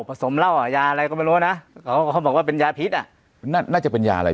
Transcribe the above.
สมเหล้าอ่ะยาอะไรก็ไม่รู้นะเขาเขาบอกว่าเป็นยาพิษอ่ะน่าจะเป็นยาอะไร